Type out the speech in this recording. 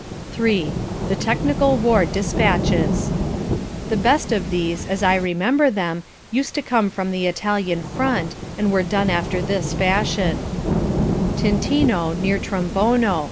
III THE TECHNICAL WAR DESPATCHES The best of these, as I remember them, used to come from the Italian front and were done after this fashion: "Tintino, near Trombono.